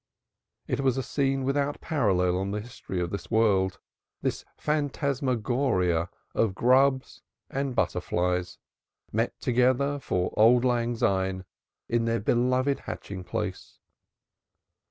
It was a scene without parallel in the history of the world this phantasmagoria of grubs and butterflies, met together for auld lang syne in their beloved hatching place.